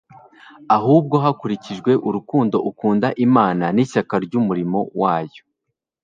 ahubwo hakurikijwe urukundo akunda Imana n'ishyaka ry'umurimo wayo.